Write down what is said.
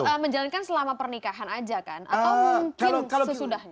bisa menjalankan selama pernikahan aja kan atau mungkin sesudahnya